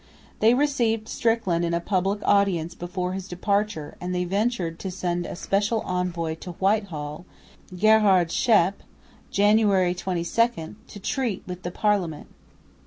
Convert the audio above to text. They received Strickland in a public audience before his departure, and they ventured to send a special envoy to Whitehall, Gerard Schaep, January 22, to treat with the Parliament.